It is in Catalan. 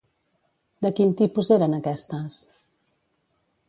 De quin tipus eren aquestes?